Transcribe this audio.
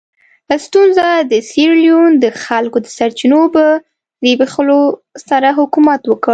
سټیونز د سیریلیون د خلکو د سرچینو په زبېښلو سره حکومت وکړ.